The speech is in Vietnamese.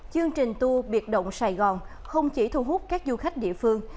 chương trình tour biệt động sài gòn không chỉ thu hút các du khách địa phương